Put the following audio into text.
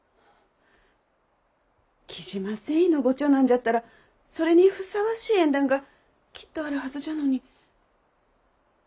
雉真繊維のご長男じゃったらそれにふさわしい縁談がきっとあるはずじゃのに。